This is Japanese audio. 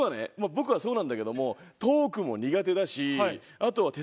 僕はそうなんだけどもトークも苦手だしあとは手先の器用さ。